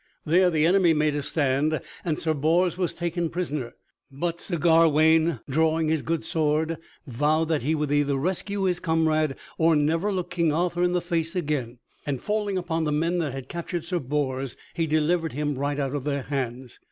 There the enemy made a stand, and Sir Bors was taken prisoner; but Sir Gawaine, drawing his good sword, vowed that he would either rescue his comrade or never look King Arthur in the face again, and falling upon the men that had captured Sir Bors, he delivered him out of their hands.